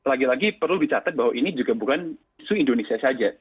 lagi lagi perlu dicatat bahwa ini juga bukan isu indonesia saja